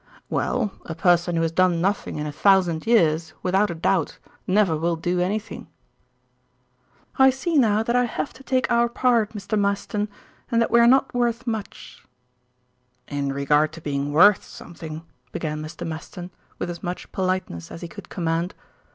"Well, a person who has done nothing in a thousand years, without a doubt, never will do anything." "I see now that I have to take our part, Mr. Maston, and that we are not worth much." "In regard to being worth something" began Mr. Maston, with as much politeness as he could command.